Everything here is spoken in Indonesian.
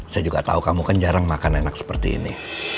saya juga tahu kamu kan jarang makan enak seperti ini